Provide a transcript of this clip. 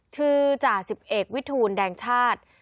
ชื่อจ่า๑๑วิทูลแดงชาติ